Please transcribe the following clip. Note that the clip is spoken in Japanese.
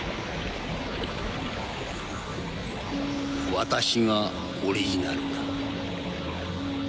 私がオリジナルだ。